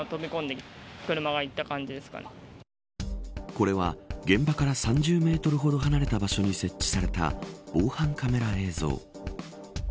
これは現場から３０メートルほど離れた場所に設置された防犯カメラ映像。